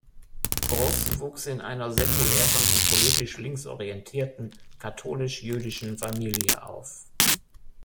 Gross wuchs in einer säkularen und politisch linksorientierten katholisch-jüdischen Familie auf.